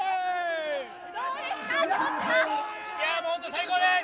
最高です。